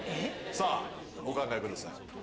さぁお考えください。